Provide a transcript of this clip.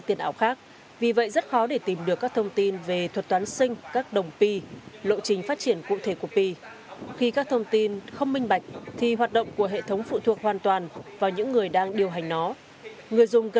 tiền ảo khác vì vậy giả mạo pi network được thực hiện bởi bất kỳ cá nhân tổ chức nào tại việt nam đều là giả mạo